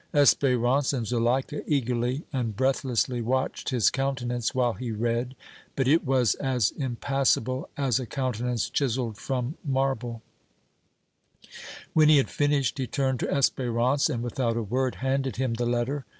Espérance and Zuleika eagerly and breathlessly watched his countenance while he read, but it was as impassable as a countenance chiseled from marble; when he had finished he turned to Espérance and without a word handed him the letter.